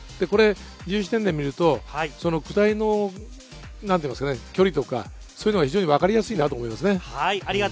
自由視点で見ると、下りの距離とか、そういうのが非常にわかりやすいなと思います。